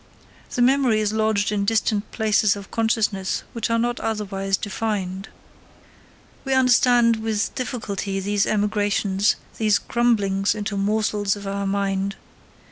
The memory is lodged in distant planes of consciousness which are not otherwise defined. We understand with difficulty these emigrations, these crumblings into morsels of our mind.